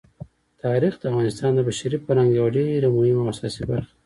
تاریخ د افغانستان د بشري فرهنګ یوه ډېره مهمه او اساسي برخه ده.